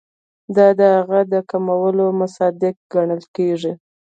دا د هغه د کمولو مصداق ګڼل کیږي.